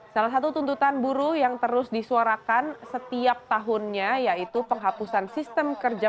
salah satu tuntutan buruh yang terus disuarakan setiap tahunnya yaitu penghapusan sistem kerja